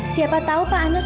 siapa tahu pak anas